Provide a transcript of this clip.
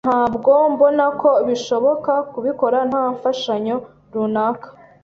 Ntabwo mbona ko bishoboka kubikora nta mfashanyo runaka.